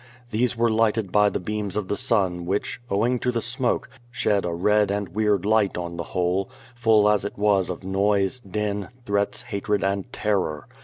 These were lighted by the beams of the sun which, owing to the smoke, shed a red and weird light on the whole, full as it was of noise, din, threats, hatred and terror.